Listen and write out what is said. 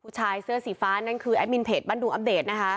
ชายเสื้อสีฟ้านั่นคือแอดมินเพจบ้านดูอัปเดตนะคะ